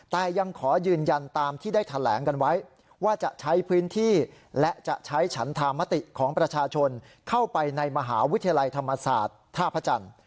แต่ยังขอยืนยันตามที่ได้แถลงกันไว้ว่าจะใช้พื้นที่และจะใช้ฉันธามติของประชาชนเข้าไปในมหาวิทยาลัยธรรมศาสตร์ท่าพระจันทร์